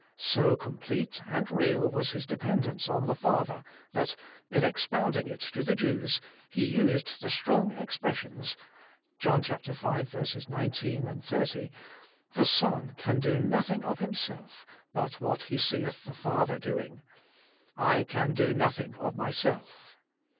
So complete and real was His dependence on the Father, that, in expounding it to the Jews, He used the strong expressions (v. 19, 30) :' The Son can do nothing of Himself, but what He seeth the Father doing ';' I can do nothing of Myself.'